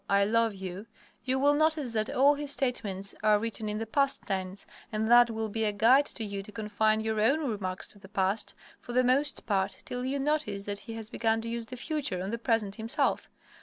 I love you," you will notice that all his statements are written in the past tense, and that will be a guide to you to confine your own remarks to the past, for the most part, till you notice that he has begun to use the future and the present himself.